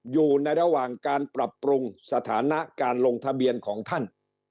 อยู่ในระหว่างการปรับปรุงสถานะการลงทะเบียนของท่าน